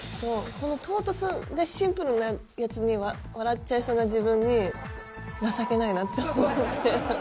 この唐突でシンプルなやつに笑っちゃいそうな自分に、情けないなって思って。